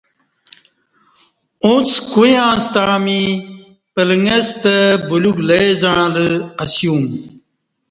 اُݩڅ کویاں ستݩع می پلݣستہ بلیوک لئ زعݩلہ اسُیوم